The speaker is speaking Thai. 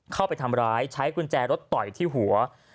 เข้าไปทำร้ายใช้กุญแจรถต่อยที่หัว